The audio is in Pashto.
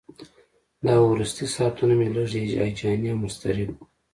دا وروستي ساعتونه مې لږ هیجاني او مضطرب وو.